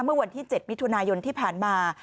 เมื่อวันที่๗มิถุนายนที่ผ่านมา